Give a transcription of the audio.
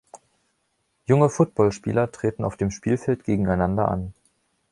Junge Football-Spieler treten auf dem Spielfeld gegeneinander an.